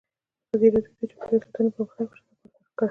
ازادي راډیو د چاپیریال ساتنه پرمختګ او شاتګ پرتله کړی.